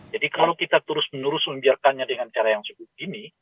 jadi kalau kita terus menerus menjelaskannya dengan cara yang sebut gini